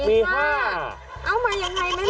เอามายังไงมันกว่า๑๐